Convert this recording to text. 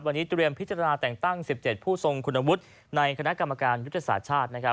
วันนี้เตรียมพิจารณาแต่งตั้ง๑๗ผู้ทรงคุณวุฒิในคณะกรรมการยุทธศาสตร์ชาตินะครับ